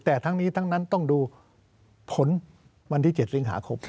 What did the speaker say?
แต่ทั้งนี้ทั้งนั้นต้องดูผลวันที่๗สิงหาคม